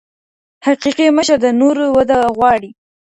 حقیقي مشر د نورو وده غواړي.